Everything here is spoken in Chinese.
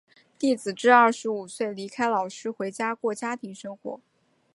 弟子至二十五岁离开老师回家过家庭生活。